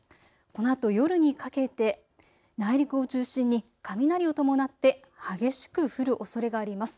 このあと夜にかけて内陸を中心に雷を伴って激しく降るおそれがあります。